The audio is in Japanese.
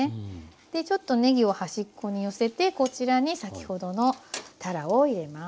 でちょっとねぎを端っこに寄せてこちらに先ほどのたらを入れます。